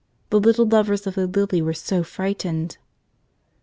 The little lovers of the lily were so frightened!